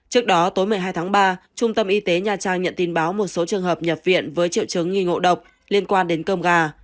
trước đó tối một mươi hai tháng ba trung tâm y tế nha trang nhận tin báo một số trường hợp nhập viện với triệu chứng nghi ngộ độc liên quan đến cơm gà